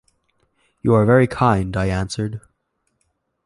"You are very kind," I answered.